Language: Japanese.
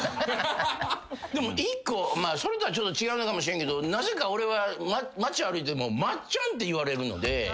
でも１個それとはちょっと違うのかもしれんけどなぜか俺は。って言われるので。